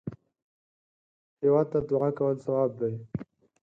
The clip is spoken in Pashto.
هېواد ته دعا کول ثواب دی